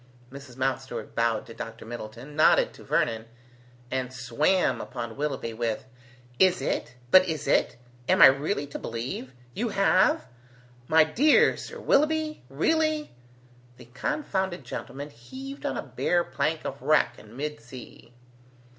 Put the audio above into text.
Mrs. Mountstuart bowed to Dr. Middleton, nodded to Vernon, and swam upon Willoughby, with, "Is it? But is it? Am I really to believe? You have? My dear Sir Willoughby? Really?" The confounded gentleman heaved on a bare plank of wreck in mid sea.